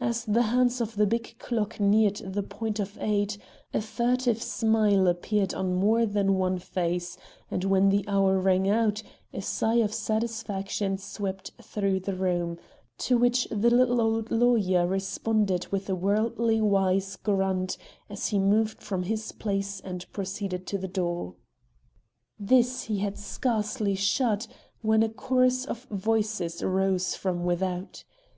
As the hands of the big clock neared the point of eight, a furtive smile appeared on more than one face; and when the hour rang out, a sigh of satisfaction swept through the room, to which the little old lawyer responded with a worldly wise grunt, as he moved from his place and proceeded to the door. This he had scarcely shut when a chorus of voices rose from without.